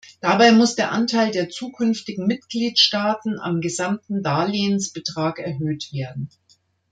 Dabei muss der Anteil der zukünftigen Mitgliedstaaten am gesamten Darlehensbetrag erhöht werden.